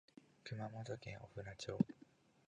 熊本県御船町